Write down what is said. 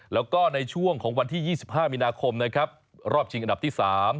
แล้วก็ในช่วงของวันที่๒๕มีนาคมนะครับรอบชิงอันดับที่๓